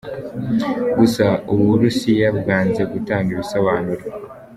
Gusa u Burusiya bwanze gutanga ibisobanuro.